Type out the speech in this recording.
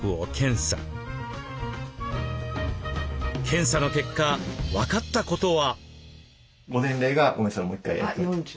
検査の結果分かったことは？